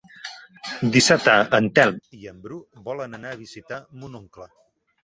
Dissabte en Telm i en Bru volen anar a visitar mon oncle.